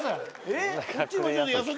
えっ？